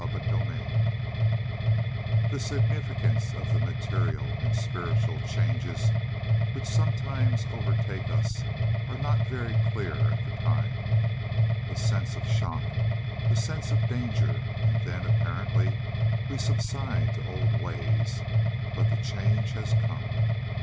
CHAPTER VIII The significance of the material and spiritual changes which sometimes overtake us are not very clear at the time. A sense of shock, a sense of danger, and then apparently we subside to old ways, but the change has come.